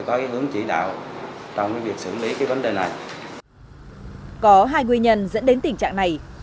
có hai nguyên nhân dẫn đến tình trạng này